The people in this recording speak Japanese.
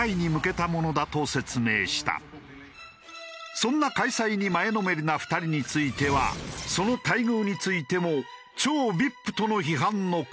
そんな開催に前のめりな２人についてはその待遇についても超ＶＩＰとの批判の声も。